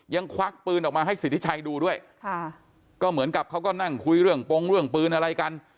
ควักปืนออกมาให้สิทธิชัยดูด้วยค่ะก็เหมือนกับเขาก็นั่งคุยเรื่องปงเรื่องปืนอะไรกัน